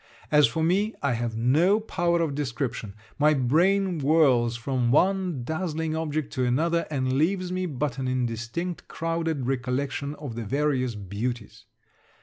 As for me, I have no power of description; my brain whirls from one dazzling object to another, and leaves me but an indistinct crowded recollection of the various beauties.